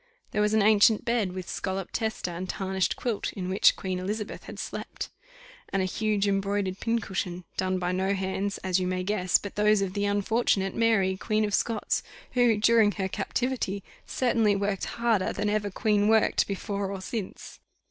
There was an ancient bed, with scolloped tester, and tarnished quilt, in which Queen Elizabeth had slept; and a huge embroidered pincushion done by no hands, as you may guess, but those of the unfortunate Mary, Queen of Scots, who, during her captivity, certainly worked harder than ever queen worked before or since.